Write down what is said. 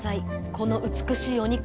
この美しいお肉！